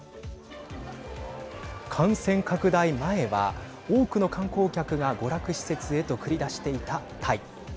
感染拡大前は多くの観光客が娯楽施設へと繰り出していたタイ。